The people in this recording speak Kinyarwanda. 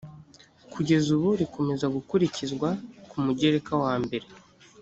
kugeza ubu rikomeza gukurikizwa ku mugereka wambere